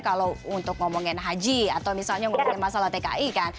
kalau untuk ngomongin haji atau misalnya ngomongin masalah tki kan